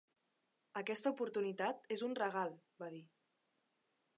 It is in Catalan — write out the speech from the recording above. Aquesta oportunitat és un regal, va dir.